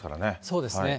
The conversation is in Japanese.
そうですね。